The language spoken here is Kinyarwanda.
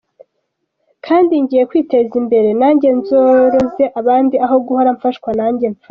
Kandi ngiye kwiteza imbere nanjye nzoroze abandi aho guhora mfashwa nanjye mfashe.